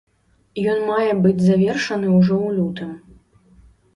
Ён мае быць завершаны ўжо ў лютым.